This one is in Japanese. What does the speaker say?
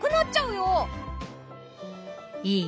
いい？